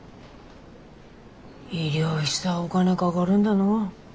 医療費さお金かかるんだの。